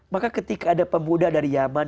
maka ketika ada pemuda dari yaman